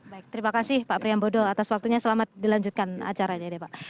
baik terima kasih pak priyambodo atas waktunya selamat dilanjutkan acaranya deh pak